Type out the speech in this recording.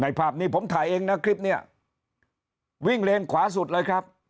ภาพนี้ผมถ่ายเองนะคลิปนี้วิ่งเลนขวาสุดเลยครับ